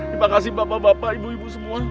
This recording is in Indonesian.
terima kasih bapak bapak ibu ibu semua